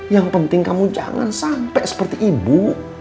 yang penting kamu jangan sampai seperti ibu